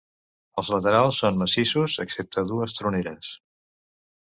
Els laterals són massissos, excepte dues troneres.